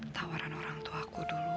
tawaran orang tua aku dulu